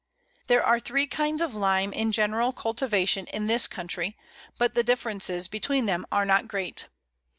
There are three kinds of Lime in general cultivation in this country, but the differences between them are not great.